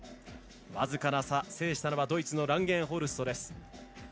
僅かな差、制したのはドイツのランゲンホルストです。